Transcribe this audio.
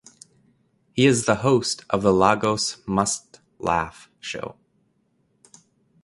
He is the host of the "Lagos Must Laugh" show.